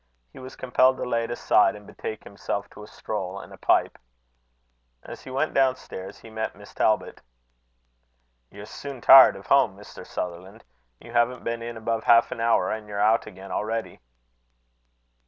He was compelled to lay it aside, and betake himself to a stroll and a pipe. As he went down stairs, he met Miss Talbot. "You're soon tired of home, Mr. Sutherland. You haven't been in above half an hour, and you're out again already."